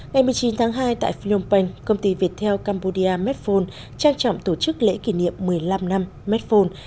ngày một mươi chín tháng hai tại phnom penh công ty việt theo cambodia medphone trang trọng tổ chức lễ kỷ niệm một mươi năm năm medphone